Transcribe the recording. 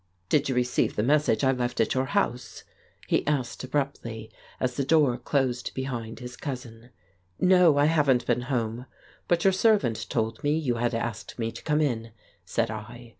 "Did you receive the message I left at your house ?" he asked abruptly as the door closed behind his cousin. "No; I haven't been home. But your servant told me you had asked me to come in," said I.